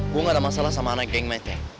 gue gak ada masalah sama anak yang menteng